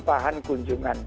dan juga mendapatkan keuntungan